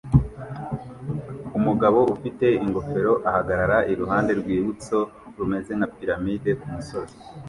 Umugabo ufite ingofero ahagarara iruhande rwibutso rumeze nka piramide kumusozi